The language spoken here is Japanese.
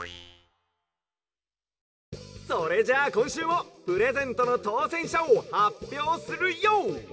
「それじゃあこんしゅうもプレゼントのとうせんしゃをはっぴょうするＹＯ！」。